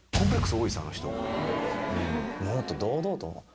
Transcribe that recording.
もっと堂々と。